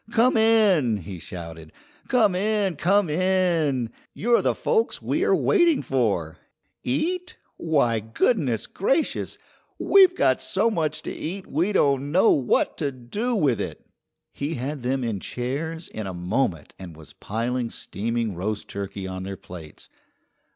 "Come in!" he shouted. "Come in! Come in! You're the folks we are waiting for! Eat? Why, goodness gra cious! We've got so much to eat we don't know what to do with it." He had them in chairs in a moment and was piling steaming roast turkey on their plates.